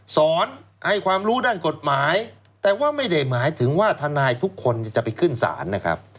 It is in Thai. สอนให้ความรู้ด้านกฎหมายแต่ว่าไม่ได้หมายถึงว่าทนายทุกคนจะไปขึ้นศาลนะครับ